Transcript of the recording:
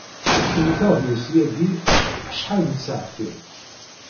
Wteɣ deg-s yagi acḥal n tsaɛtin.